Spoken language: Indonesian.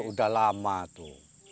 sudah lama itu